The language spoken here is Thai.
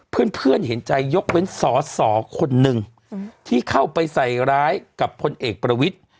เพื่อนเห็นใจยกเว้นสอสอคนหนึ่งที่เข้าไปใส่ร้ายกับพลเอกประวิทธิ์